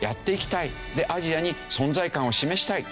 でアジアに存在感を示したい。